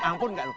ampun gak lu